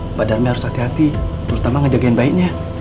bapak darmi harus hati hati terutama ngajakin bayinya